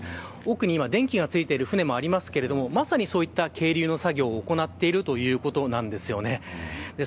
奥に電気がついている船もありますがまさにそういった係留の作業を行っているということなんですね。